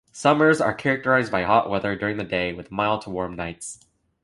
Summers are characterized by hot weather during the day with mild to warm nights.